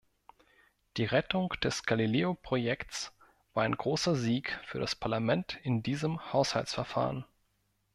Die Rettung des Galileo-Projekts war ein großer Sieg für das Parlament in diesem Haushaltsverfahren.